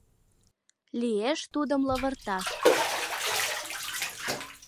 Лиеш тудым лывырташ.